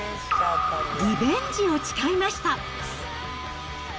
リベンジを誓いました。